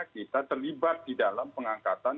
kita terlibat di dalam pengangkatan